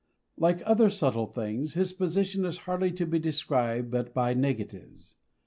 Like other subtle things, his position is hardly to be described but by negatives.